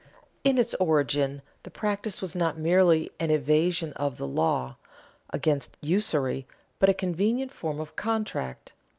In its origin the practice was not merely an evasion of the law against usury, but a convenient form of contract.